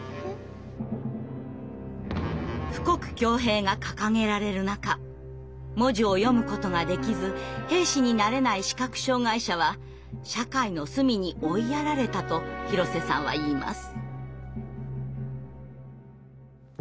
「富国強兵」が掲げられる中文字を読むことができず兵士になれない視覚障害者は社会の隅に追いやられたと広瀬さんはいいます。